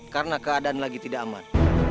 karena keadaan lagi tidak aman